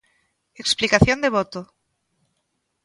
Explicación de voto.